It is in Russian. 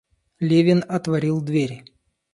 Левин отворил дверь.